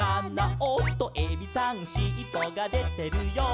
「おっとエビさんしっぽがでてるよ」